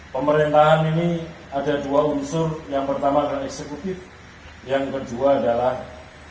pemerintahan ini ada dua unsur yang pertama adalah eksekutif yang kedua adalah